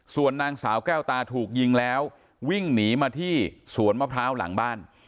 ส่วนนางสาวแก้วตาถูกยิงแล้ววิ่งหนีมาที่สวนมะพร้าวหลังบ้าน